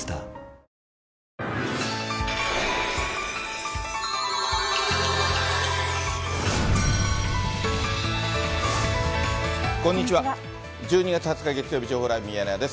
１２月２０日月曜日、情報ライブミヤネ屋です。